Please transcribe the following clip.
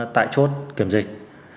tại chốt kiểm dịch